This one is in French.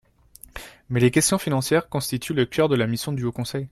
Mais les questions financières constituent le cœur de la mission du Haut conseil.